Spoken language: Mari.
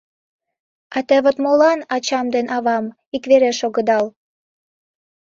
А те вот молан, ачам ден авам, иквереш огыдал?